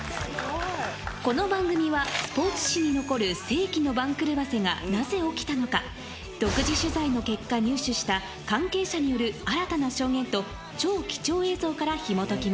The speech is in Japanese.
この番組はスポーツ史に残る世紀の番狂わせがなぜ起きたのか独自取材の結果入手した関係者による新たな証言と超貴重映像からひもときます。